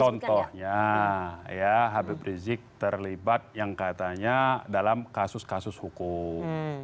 contohnya ya habib rizik terlibat yang katanya dalam kasus kasus hukum